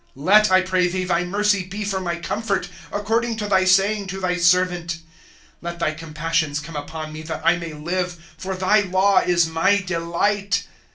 ' Let, I pray, thy mercy be for my comfort, According to thy saying to tliy servant. ' Let thy compassions come upon me that I may Hve ; Tor thy law is my delight.